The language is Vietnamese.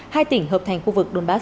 hai tỉnh hợp thành khu vực donbass